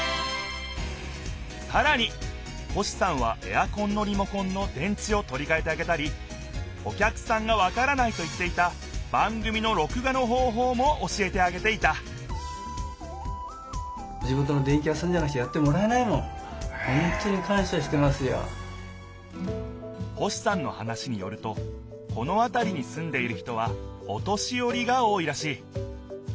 さらに星さんはエアコンのリモコンの電池をとりかえてあげたりお客さんがわからないといっていた番組のろく画の方ほうも教えてあげていた星さんの話によるとこのあたりにすんでいる人はお年よりが多いらしい。